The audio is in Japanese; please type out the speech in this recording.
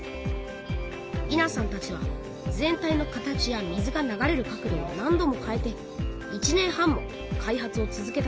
伊奈さんたちは全体の形や水が流れる角度を何度も変えて１年半も開発を続けたそうです